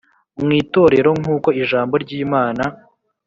mw itorero nkuko ijambo ry Imana